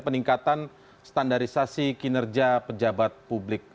peningkatan standarisasi kinerja pejabat publik